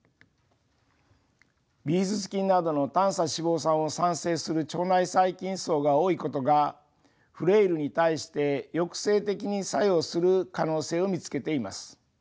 ビフィズス菌などの短鎖脂肪酸を産生する腸内細菌そうが多いことがフレイルに対して抑制的に作用する可能性を見つけています。